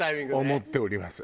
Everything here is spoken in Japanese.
思っております